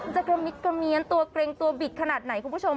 จะกระมิดกระเมียนตัวเกร็งตัวบิดขนาดไหนคุณผู้ชม